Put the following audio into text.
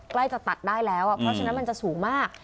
ใกล้จะตัดได้แล้วเพราะฉะนั้นมันจะสูงมาก